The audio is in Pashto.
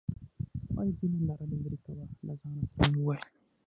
ما د دوي ننداره له لرې کوه له ځان سره مې وويل.